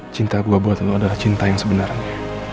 cinta gue buat lo adalah cinta yang sebenarnya